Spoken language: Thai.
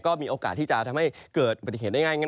ก็มีโอกาสที่จะทำให้เกิดปฏิเสธได้ง่าย